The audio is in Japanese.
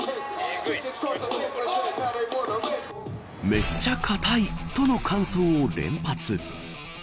めっちゃ硬いとの感想を連発。